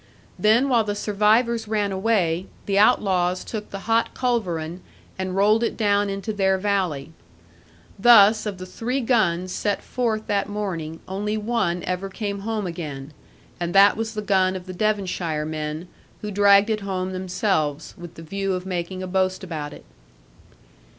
Then while the survivors ran away, the outlaws took the hot culverin, and rolled it down into their valley. Thus, of the three guns set forth that morning, only one ever came home again, and that was the gun of the Devonshire men, who dragged it home themselves, with the view of making a boast about it.